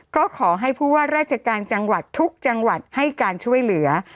ก็ขอให้ผู้ว่าราชการจังหวัดทุกจังหวัดให้การช่วยเหลือ